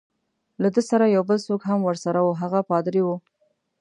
له ده سره یو بل څوک هم ورسره وو، هغه پادري وو.